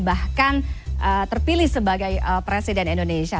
bahkan terpilih sebagai presiden indonesia